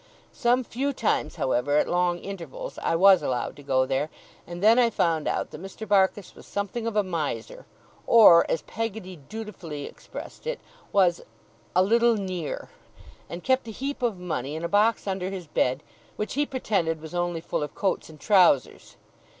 Some few times, however, at long intervals, I was allowed to go there; and then I found out that Mr. Barkis was something of a miser, or as Peggotty dutifully expressed it, was 'a little near', and kept a heap of money in a box under his bed, which he pretended was only full of coats and trousers.